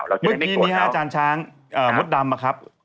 เมื่อกี้นี้ฮะอาจารย์ช้างมดดำนะครับ